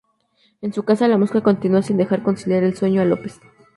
En su casa, la mosca continúa sin dejar conciliar el sueño a López.